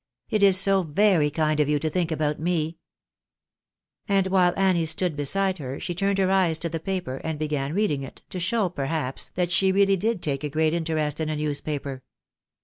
" It is so very kind of you to think about me !" And while Annie stiU stood beside her, she turned her eyes to the paper, and began reading it, to show, perhaps, that she really did take great interest in a newspaper.